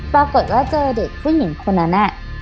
ปรากฏว่าเจอเด็กผู้หญิงคนนั้นน่ะ